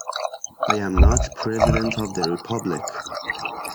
I am not the President of the Republic.